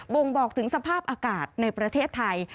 ่งบอกถึงสภาพอากาศในประเทศไทย